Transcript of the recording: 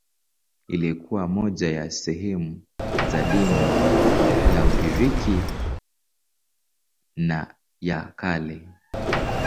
Ilikuwa moja ya sehemu za dini ya Ugiriki ya Kale.